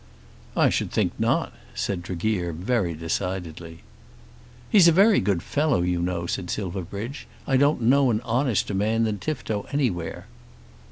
"I should think not," said Tregear very decidedly. "He's a very good fellow, you know," said Silverbridge. "I don't know an honester man than Tifto anywhere."